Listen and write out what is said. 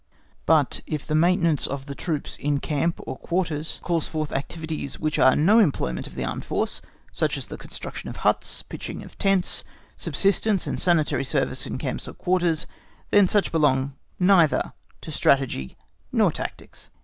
But if the maintenance of the troops in camp or quarters calls forth activities which are no employment of the armed force, such as the construction of huts, pitching of tents, subsistence and sanitary services in camps or quarters, then such belong neither to strategy nor tactics.